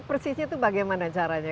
persisnya itu bagaimana caranya